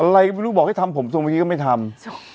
รูบอกให้ทำผมเซ่นวิเวียจะไม่ทำ